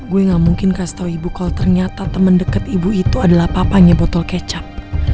gue gak mungkin kasih tahu ibu kalau ternyata teman dekat ibu itu adalah papanya botol kecap